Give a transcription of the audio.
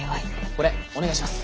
これお願いします。